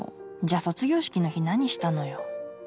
じゃあ卒業式の日何したのよ。